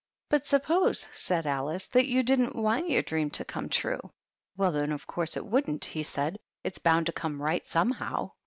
"But suppose," said Alice, "that you didn't want your dream to come true." "Well, then, of course it wouldn't," he said; "it's bound to come right somehow."